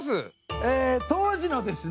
え当時のですね